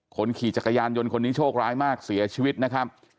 คนขี่จักรยานยนต์คนนี้โชคร้ายมากเสียชีวิตนะครับ